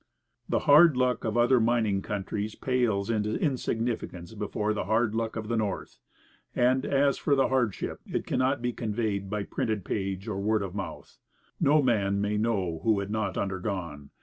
The hard luck of other mining countries pales into insignificance before the hard luck of the North. And as for the hardship, it cannot be conveyed by printed page or word of mouth. No man may know who has not undergone.